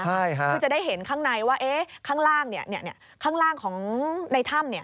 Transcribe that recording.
คือจะได้เห็นข้างในว่าข้างล่างของในถ้ำ